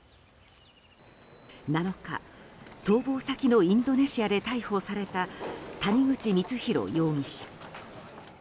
７日、逃亡先のインドネシアで逮捕された谷口光弘容疑者。